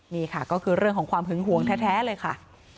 นี่ค่ะก็คือเรื่องของความหึงหวงแท้เลยค่ะ